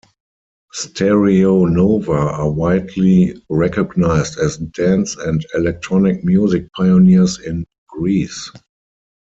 Stereo Nova are widely recognized as dance and electronic music pioneers in Greece.